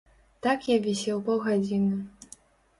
Так я вісеў паўгадзіны.